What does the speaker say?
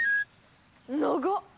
長っ！